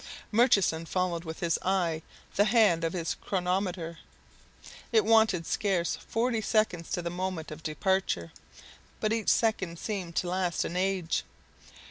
Murchison followed with his eye the hand of his chronometer. It wanted scarce forty seconds to the moment of departure, but each second seemed to last an age!